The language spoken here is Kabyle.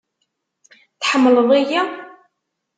Tḥemmleḍ-iyi?